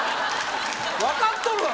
分かっとるわ！